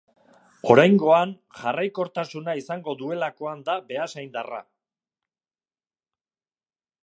Oraingoan jarraikortasuna izango duelakoan da beasaindarra.